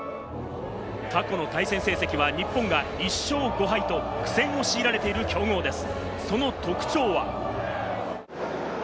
過去の対戦成績は日本が１勝５敗と苦戦を強いられている強豪です。